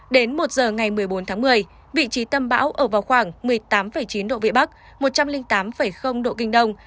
đến một giờ ngày một mươi bốn tháng một mươi vị trí tâm bão ở vào khoảng một mươi tám chín độ vĩ bắc một trăm linh tám độ kinh đông